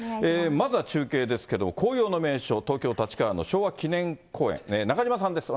まずは中継ですけど、紅葉の名所、東京・立川の昭和記念公園、中島さんです。